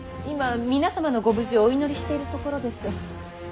今皆様のご無事をお祈りしているところです。